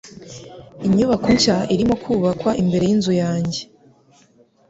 Inyubako nshya irimo kubakwa imbere yinzu yanjye.